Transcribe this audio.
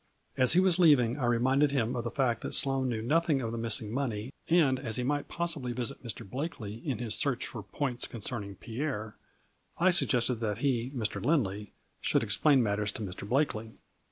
As he was leaving I reminded him of the fact that Sloane knew nothing of the missing money and, as he might possibly visit Mr. Blakely in his search for points concerning Pierre, I sug gested that he, Mr. Lindley, should explain mat ters to Mr. Blakely.